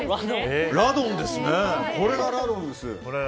これが、らどんです。